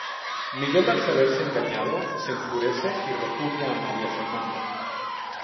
Miguel al saberse engañado, se enfurece y repudia a María Fernanda.